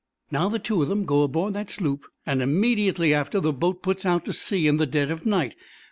Now, the two of them go aboard that sloop, and immediately after the boat puts out to sea in the dead of night.